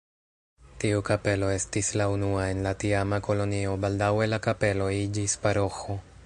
Tiu kapelo estis la unua en la tiama kolonio, baldaŭe la kapelo iĝis paroĥo.